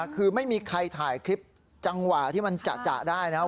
คือไม่มีใครถ่ายคลิปจังหวะที่มันจะได้นะครับ